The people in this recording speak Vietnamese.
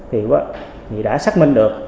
thì đã xác minh được